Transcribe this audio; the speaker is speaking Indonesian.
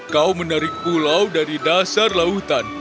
kau menarik pulau dari dasar lautan